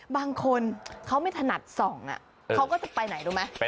บางคนเขาไม่ถนัดส่องเขาก็จะไปไหนรู้ไหม